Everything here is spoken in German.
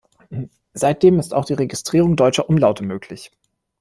Seitdem ist auch die Registrierung deutscher Umlaute möglich.